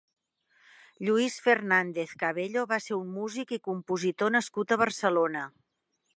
Lluís Fernández Cabello va ser un músic i compositor nascut a Barcelona.